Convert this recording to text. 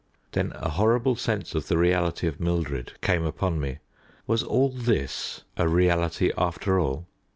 Then a horrible sense of the reality of Mildred came upon me. Was all this a reality after all?